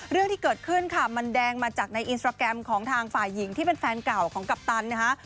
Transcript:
เรื่องที่เกิดขึ้นค่ะมันแดงมาจากในอินสตราแกรมของทางฝ่ายหญิงที่เป็นแฟนเก่าของกัปตันนะคะ